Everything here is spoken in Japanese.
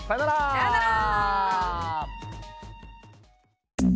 さよなら。